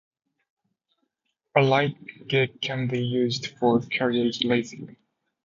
A light gig can be used for carriage racing.